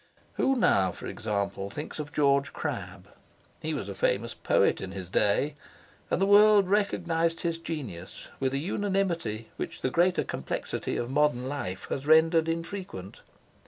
Who now, for example, thinks of George Crabbe? He was a famous poet in his day, and the world recognised his genius with a unanimity which the greater complexity of modern life has rendered infrequent.